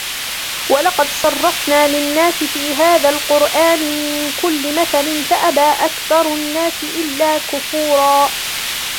وَلَقَدْ صَرَّفْنَا لِلنَّاسِ فِي هَذَا الْقُرْآنِ مِنْ كُلِّ مَثَلٍ فَأَبَى أَكْثَرُ النَّاسِ إِلَّا كُفُورًا